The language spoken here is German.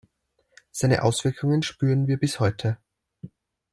Seine Auswirkungen spüren wir bis heute.